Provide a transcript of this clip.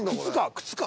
靴か？